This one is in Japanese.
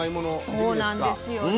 そうなんですよね。